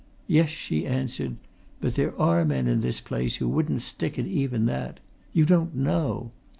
"Yes," she answered. "But there are men in this place who wouldn't stick at even that! You don't know.